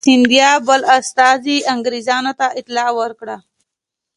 د سیندیا بل استازي انګرېزانو ته اطلاع ورکړه.